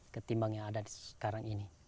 ketimbang yang ada sekarang ini